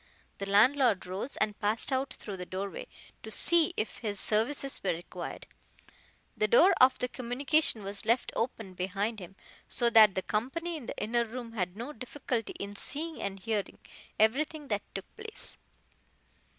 The landlord rose and passed out through the doorway, to see if his services were required. The door of communication was left open behind him, so that the company in the inner room had no difficulty in seeing and hearing everything that took place.